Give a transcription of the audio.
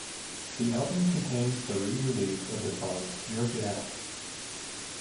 The album contains the re-release of the song Jerk It Out.